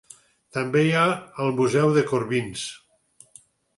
També hi ha el Museu de Corbins.